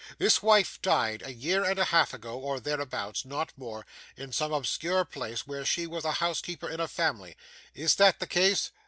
This wife died a year and a half ago, or thereabouts not more in some obscure place, where she was housekeeper in a family. Is that the case?